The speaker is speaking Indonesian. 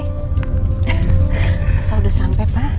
masa udah sampai pak